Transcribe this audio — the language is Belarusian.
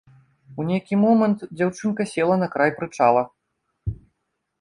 У нейкі момант дзяўчынка села на край прычала.